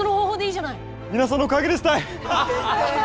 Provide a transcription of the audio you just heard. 皆さんのおかげですたい！